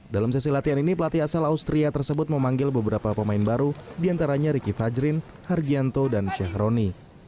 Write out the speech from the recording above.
dalam sesi latihan ini pelatih asal austria tersebut memanggil beberapa pemain baru diantaranya ricky fajrin hargianto dan syahroni